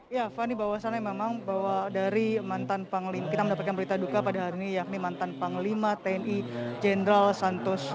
ya fani bahwasannya memang bahwa dari mantan panglima kita mendapatkan berita duka pada hari ini yakni mantan panglima tni jenderal santoso